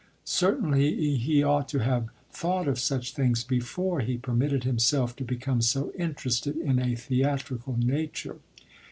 Certainly he ought to have thought of such things before he permitted himself to become so interested in a theatrical nature.